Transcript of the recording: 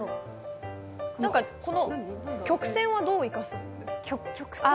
なんか、この曲線はどう生かすんですか？